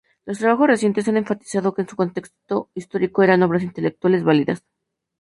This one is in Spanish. Los trabajos recientes han enfatizado que en su contexto histórico eran obras intelectualmente válidas.